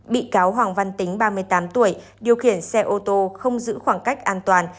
bị cáo hoàng văn tính ba mươi tám tuổi điều khiển xe ô tô không giữ khoảng cách an toàn